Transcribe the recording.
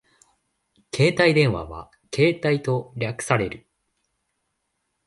携帯電話はケータイと略される